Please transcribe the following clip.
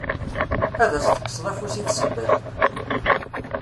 Ad as-tekkseḍ afus i tsebbalt?